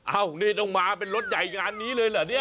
นี่ต้องมาเป็นรถใหญ่งานนี้เลยเหรอเนี่ย